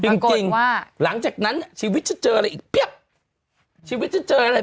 จริงจริงว่าหลังจากนั้นชีวิตจะเจออะไรอีกเพียบชีวิตจะเจออะไร